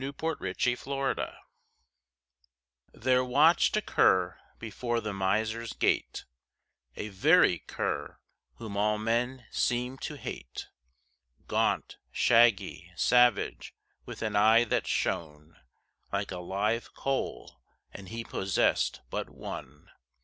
THE MISER'S ONLY FRIEND There watched a cur before the miser's gate A very cur, whom all men seemed to hate; Gaunt, shaggy, savage, with an eye that shone Like a live coal; and he possessed but one.